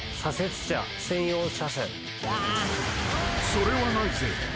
［それはないぜ。